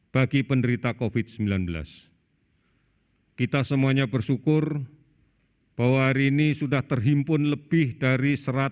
bagi penderita covid sembilan belas kita semuanya bersyukur bahwa hari ini sudah terhimpun lebih dari